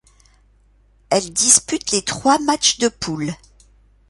Elle dispute les trois matchs de poule.